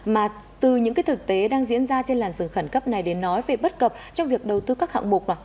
mà từ những cái thực tế đang diễn ra trên làn rừng khẩn cấp này đến nói về bất cập trong việc đầu tư các hạng mục